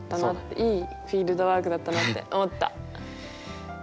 いいフィールドワークだったなって思った。